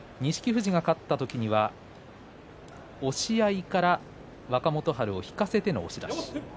富士が勝った時には押し合いから若元春を引かせての押し出し。